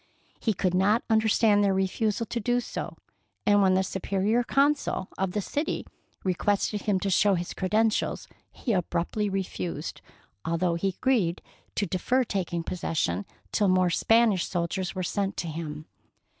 He could not understand their refusal to do so, and when the Superior Council of the city requested him to show his cre dentials, he abruptly refused, although he agreed to defer taking possession till more Spanish soldiers were sent to him.